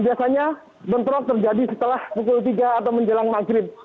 biasanya bentrok terjadi setelah pukul tiga atau menjelang maghrib